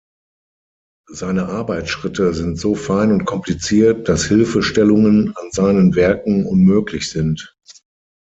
Seine Arbeitsschritte sind so fein und kompliziert, das Hilfestellungen an seinen Werken unmöglich sind.